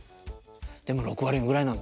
でも６割ぐらいなのかな？